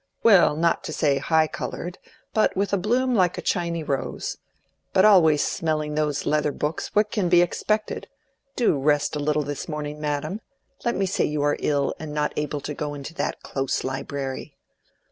"Well, not to say high colored, but with a bloom like a Chiny rose. But always smelling those leather books, what can be expected? Do rest a little this morning, madam. Let me say you are ill and not able to go into that close library."